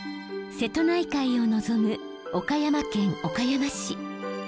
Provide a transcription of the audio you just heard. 瀬戸内海を望む岡山県岡山市。